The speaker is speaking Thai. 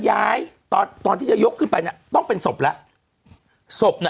ย้ายตอนตอนที่จะยกขึ้นไปน่ะต้องเป็นศพแล้วศพน่ะ